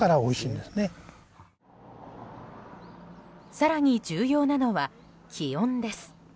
更に重要なのは気温です。